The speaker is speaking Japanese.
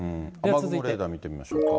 雨雲レーダー見ていきましょうか。